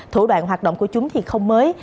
thủ đoạn hoạt động của chúng thì không mới